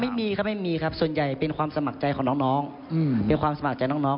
อ๋อไม่มีครับไม่มีครับส่วนใหญ่เป็นความสมัครใจของน้อง